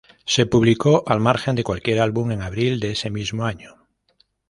Se publicó al margen de cualquier álbum en abril de ese mismo año.